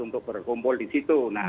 untuk berkumpul di situ